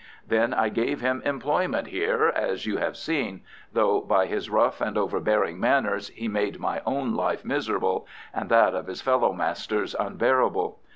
Then I gave him employment here, as you have seen, though by his rough and overbearing manners he made my own life miserable, and that of his fellow masters unbearable.